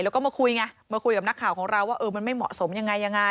แล้วก็มาคุยไงมาคุยกับนักข่าวของเราว่าเออมันไม่เหมาะสมยังไงยังไง